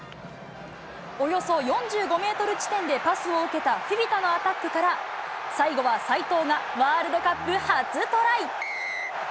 およそ４５メートル地点でパスを受けたフィフィタのアタックから、最後は齋藤がワールドカップ初トライ。